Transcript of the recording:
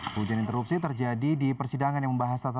hujan interupsi terjadi di persidangan yang membahas tata